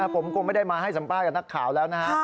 ผมคงไม่ได้มาให้สัมภาษณ์กับนักข่าวแล้วนะฮะ